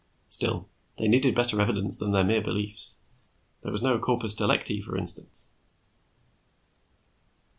Still, they needed better evidence than their mere beliefs. There was no corpus delicti, for instance.